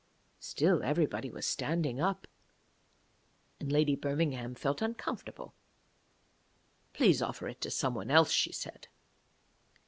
Still everybody was standing up, and Lady Birmingham felt uncomfortable. 'Please offer it to some one else,' she said.